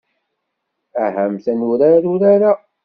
Ahamt ad nurar urar-a.